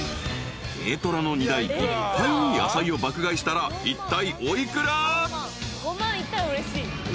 ［軽トラの荷台いっぱいに野菜を爆買いしたらいったいお幾ら？］